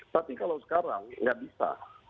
tapi kalau sekarang nggak bisa